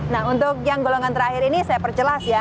nah untuk yang golongan terakhir ini saya perjelas ya